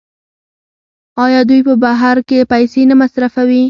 آیا دوی په بهر کې پیسې نه مصرفوي؟